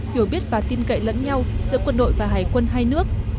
hiểu biết và tin cậy lẫn nhau giữa quân đội và hải quân hai nước